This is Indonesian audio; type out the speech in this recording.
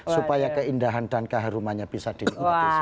supaya keindahan dan keharumannya bisa diingatkan semua